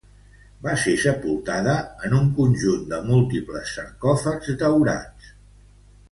Va ser sepultada en un conjunt de múltiples sarcòfags daurats.